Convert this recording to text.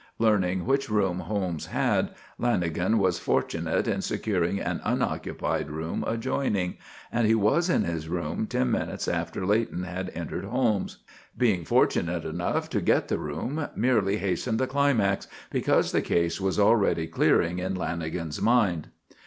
Learning which room Holmes had, Lanagan was fortunate in securing an unoccupied room adjoining, and he was in his room ten minutes after Leighton had entered Holmes'. Being fortunate enough to get the room merely hastened the climax, because the case was already clearing in Lanagan's mind.